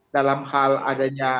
dalam hal adanya